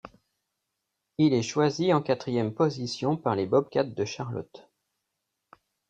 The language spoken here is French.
Il est choisi en quatrième position par les Bobcats de Charlotte.